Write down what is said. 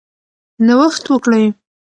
نوښت وکړئ.